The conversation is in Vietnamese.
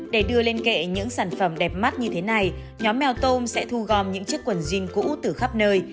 để đưa lên kệ những sản phẩm đẹp mắt như thế này nhóm meo tôm sẽ thu gom những chiếc quần jean cũ từ khắp nơi